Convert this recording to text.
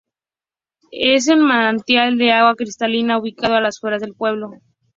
Es un manantial de agua cristalina ubicado a las afueras del pueblo.